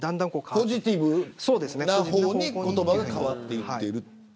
ポジティブな方に言葉が変わっている。